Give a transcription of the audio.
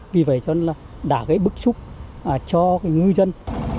vì vậy cho nên đã gây bức xúc cho ngư dân